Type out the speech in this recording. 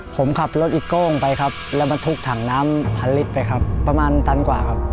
ผมขับรถอีโก้งไปครับแล้วบรรทุกถังน้ำพันลิตรไปครับประมาณตันกว่าครับ